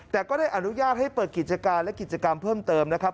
แต่ก็ได้อนุญาตให้เปิดกิจการและกิจกรรมเพิ่มเติมนะครับ